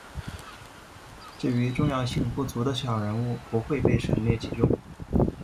至于重要性不足的小人物不会被陈列其中。